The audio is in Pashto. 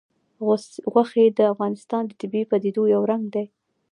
غوښې د افغانستان د طبیعي پدیدو یو رنګ دی.